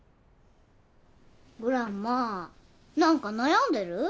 グランマ何か悩んでる？